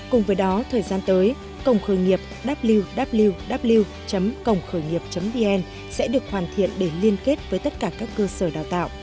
cùng với đó thời gian tới cổng khởi nghiệp ww cổngkhởi nghiệp vn sẽ được hoàn thiện để liên kết với tất cả các cơ sở đào tạo